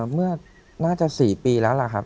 เมื่อน่าจะ๔ปีแล้วล่ะครับ